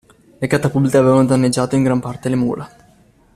Le catapulte avevano danneggiato in gran parte le mura.